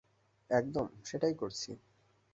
একদম, সেটাই করছি।